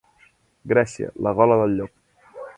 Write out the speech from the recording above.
Grècia, la gola del llop.